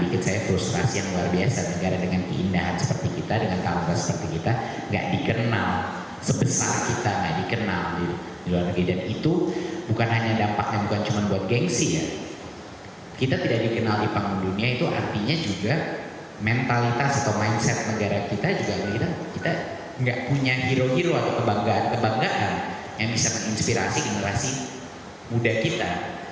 karena kita juga tidak punya hero hero atau kebanggaan kebanggaan yang bisa menginspirasi generasi muda kita